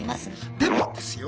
でもですよ